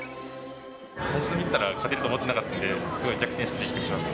最初見てたら、勝てると思ってなかったんで、すごい逆転してびっくりしました。